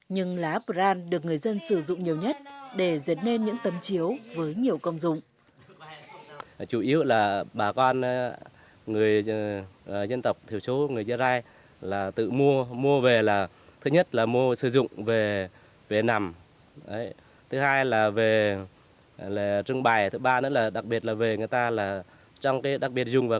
nhưng lá brand được người dân sử dụng nhiều nhất để dẫn lên những tấm chiếu với nhiều công dụng